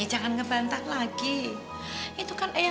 bapak udah di perkebunan saya